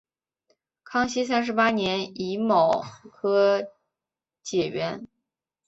康熙三十八年己卯科解元。